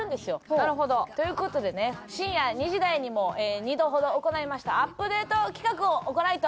なるほど。という事でね深夜２時台にも２度ほど行いましたアップデート企画を行いたいと思います！